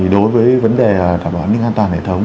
đối với vấn đề thảo đoán an ninh an toàn hệ thống